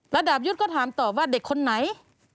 แล้วดาบยุทธ์ก็ถามตอบว่าเด็กคนไหน